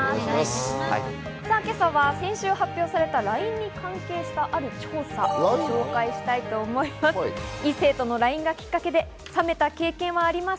今朝は先週発表されたＬＩＮＥに関係したある調査を紹介します。